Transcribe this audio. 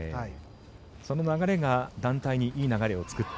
その流れが団体にいい流れを作った。